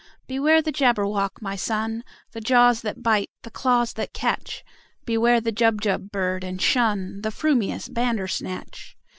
"Beware the Jabberwock, my son! The jaws that bite, the claws that catch! Beware the Jubjub bird, and shun The frumious Bandersnatch!"